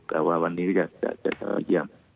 แต่ว่าวันนี้จะเข้าเยี่ยม